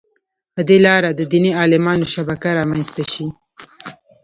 په دې لاره د دیني عالمانو شبکه رامنځته شي.